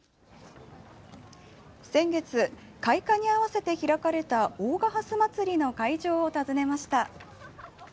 先月開花に合わせて開かれた大賀ハスまつりの会場を訪ねました。